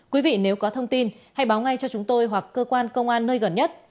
quý vị nếu có thông tin hãy báo ngay cho chúng tôi hoặc cơ quan công an